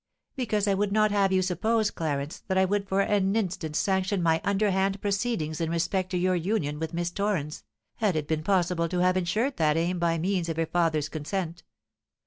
"Because I would not have you suppose, Clarence, that I would for an instant sanction any underhand proceedings in respect to your union with Miss Torrens, had it been possible to have ensured that aim by means of her father's consent.